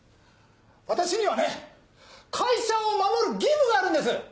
私にはね会社を守る義務があるんです！